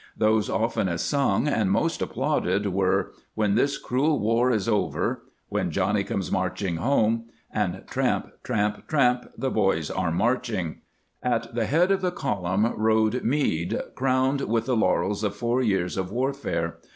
Those oftenest sung and most applauded were, " When this cruel war is over," " When Johnny comes marching home," and " Tramp, tramp, tramp ! the boys are marching." THE GRAND REVIEW AT WASHINGTON 507 At the head of the column rode Meade, crowned with the laurels of four years of warfare.